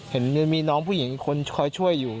เห็นมีน้องผู้หญิงคนคอยช่วยอยู่